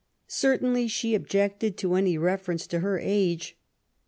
Certainly she objected to any reference to her age.